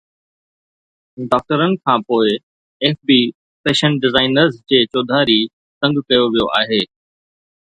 ڊاڪٽرن کان پوء، ايف بي فيشن ڊيزائنرز جي چوڌاري تنگ ڪيو ويو آهي